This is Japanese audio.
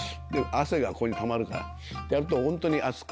汗がここにたまるからこうやると本当に熱く。